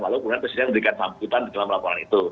walaupun presiden memberikan panggutan dalam laporan itu